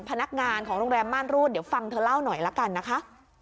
พนักงานของโรงแรมม่านรูดเดี๋ยวฟังเธอเล่าหน่อยละกันนะคะ